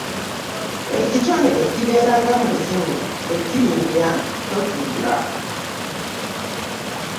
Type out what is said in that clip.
Ekitone kibeera nga muzimu bwe kikulinnya totuula.